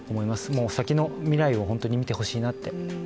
もう先の未来を見てほしいなって。